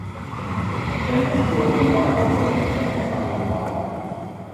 كەنتتىكى ئورۇنلار ئوتتۇرا مەكتەپ قاتارلىقلار بار.